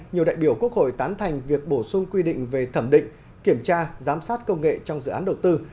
nhiều đại biểu quốc hội tán thành việc bổ sung quy định về thẩm định kiểm tra giám sát công nghệ trong dự án đầu tư